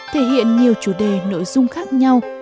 thể hiện nhiều chủ đề nội dung khác nhau